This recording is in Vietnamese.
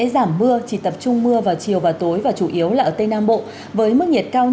xin chào các bạn